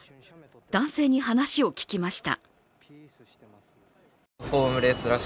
男性に話を聞きました。